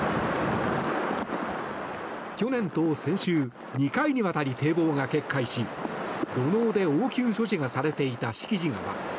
去年と先週２回にわたり堤防が決壊し土のうで応急処置がされていた敷地川。